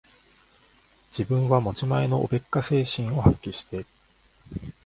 自分は持ち前のおべっか精神を発揮して、